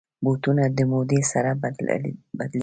بوټونه د مودې سره بدلېږي.